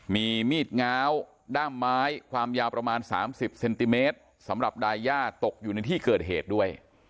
มีมีดง้าวด้ามไม้ความยาวประมาณ๓๐เซนติเมตรสำหรับดายย่าตกอยู่ในที่เกิดเหตุด้วย